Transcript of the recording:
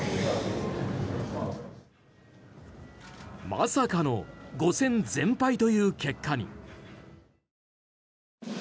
まさかの５戦全敗という結果に。